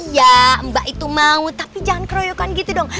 ya mbak itu mau tapi jangan keroyokan gitu dong